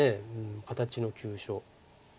形の急所。